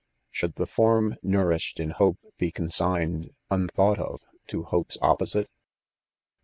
Should the form; nourished in hope be consigned, wtifamght of, to hope's opposite?